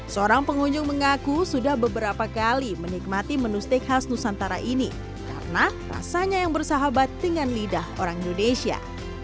seorang pengunjung mengaku sudah beberapa kali menikmati menu steak khas nusantara ini karena rasanya yang bersahabat dengan lidah orang indonesia